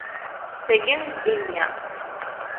D tagi i d Dihia